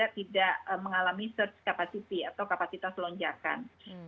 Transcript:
jadi kita harus mengalami search capacity atau kapasitas lonjakan